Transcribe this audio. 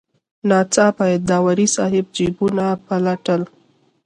ناڅاپه داوري صاحب جیبونه پلټل.